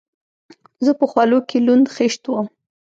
زه په خولو کښې لوند خيشت وم.